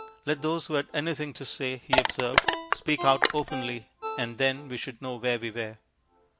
Let those who had anything to say, he observed, speak out openly, and then we should know where we were.